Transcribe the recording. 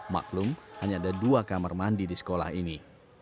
maklum hanya ada dua kamar mandi di sekolah ini